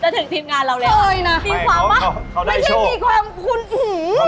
จะถึงทีมงานเราแล้วอะมีความอะไม่ใช่มีความคุณหุ่น